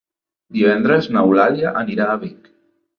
Divendres n'Eulàlia anirà a Vic.